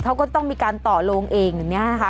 เขาก็ต้องมีการต่อโลงเองอย่างนี้นะคะ